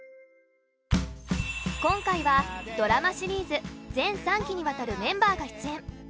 今回はドラマシリーズ全３期にわたるメンバーが出演。